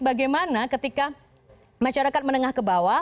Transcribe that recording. bagaimana ketika masyarakat menengah ke bawah